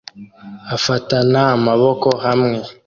afatana amaboko hamwe